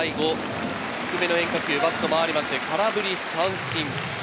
最後低めの変化球、バット回りまして、空振り三振。